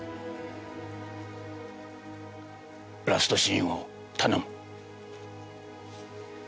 ラストシーンを頼む。